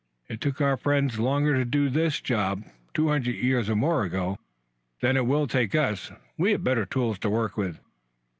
It took our friends longer to do this job, two hundred years or more ago, than it will take us. We have better tools to work with."